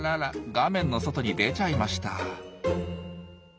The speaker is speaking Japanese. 画面の外に出ちゃいました。